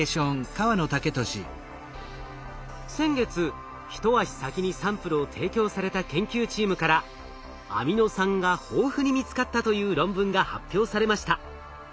先月一足先にサンプルを提供された研究チームからアミノ酸が豊富に見つかったという論文が発表されました。